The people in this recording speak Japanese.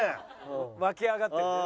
沸き上がってる。